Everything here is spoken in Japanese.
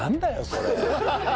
それ。